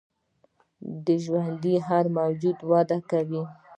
هر ژوندی موجود وده کوي